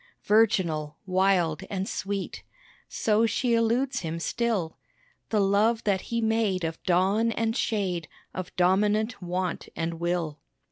Virginal wild and sweet So she eludes him still The love that he made of dawn and shade Of dominant want and will.